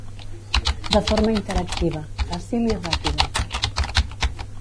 De forma interactiva, fàcil i ràpida.